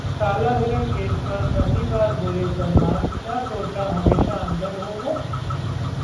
काला हिरण केस पर पहली बार बोले सलमान, 'क्या सोचा हमेशा अंदर रहूंगा?'